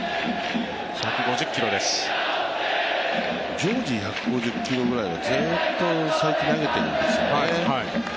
常時１５０キロくらい才木はずっと投げてるんですよね。